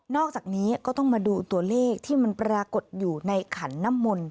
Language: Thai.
อกจากนี้ก็ต้องมาดูตัวเลขที่มันปรากฏอยู่ในขันน้ำมนต์